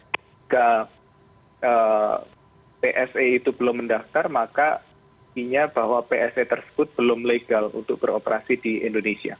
jika pse itu belum mendaftar maka bahwa pse tersebut belum legal untuk beroperasi di indonesia